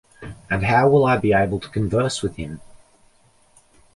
And how will I be able to converse with him?